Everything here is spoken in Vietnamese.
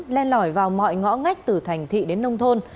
len lỏi vào mọi ngõ ngách từ thành thị đến nông thôn